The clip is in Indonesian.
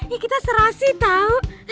ya kita serasi tau